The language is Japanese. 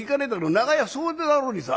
長屋総出だろうにさ。